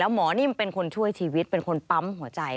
หมอนิ่มเป็นคนช่วยชีวิตเป็นคนปั๊มหัวใจ